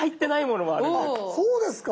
あっそうですか。